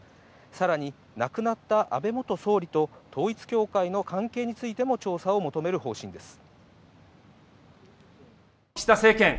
さらに亡くなった安倍元総理と統一教会の関係についても調査を求める方針です。